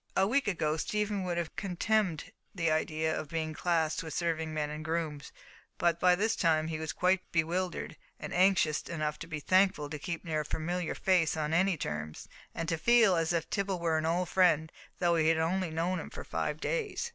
A week ago, Stephen would have contemned the idea of being classed with serving men and grooms, but by this time he was quite bewildered, and anxious enough to be thankful to keep near a familiar face on any terms, and to feel as if Tibble were an old friend, though he had only known him for five days.